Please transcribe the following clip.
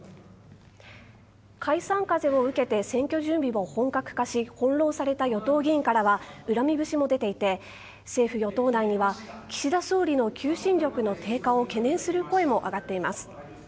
解散風を受けて選挙準備も本格化し翻弄された与党議員からは恨み節も出ていて政府・与党外には岸田総理の求心力の低下を懸念する声も上がっています。